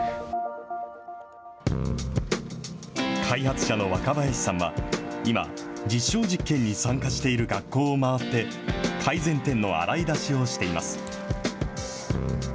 開発者の若林さんは、今、実証実験に参加している学校を回って、改善点の洗い出しをしています。